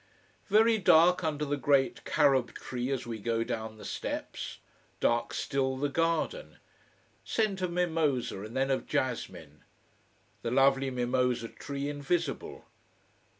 Very dark under the great carob tree as we go down the steps. Dark still the garden. Scent of mimosa, and then of jasmine. The lovely mimosa tree invisible.